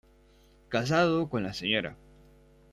Casado con la Sra.